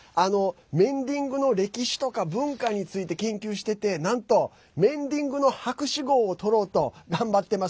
メンディングの歴史とか文化について研究しててなんとメンディングの博士号を取ろうと頑張ってます。